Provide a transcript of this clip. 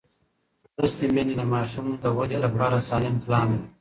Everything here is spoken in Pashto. لوستې میندې د ماشوم د وده لپاره سالم پلان لري.